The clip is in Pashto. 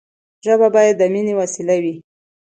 ژبه باید د ميني وسیله وي.